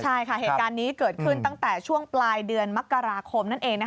ใช่ค่ะเหตุการณ์นี้เกิดขึ้นตั้งแต่ช่วงปลายเดือนมกราคมนั่นเอง